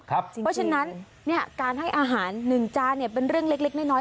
เพราะฉะนั้นการให้อาหาร๑จานเป็นเรื่องเล็กน้อย